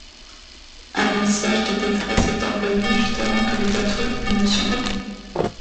Un message de détresse est envoyé juste avant que le bateau ne sombre.